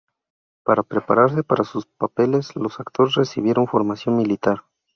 Para prepararse para sus papeles los actores recibieron formación militar.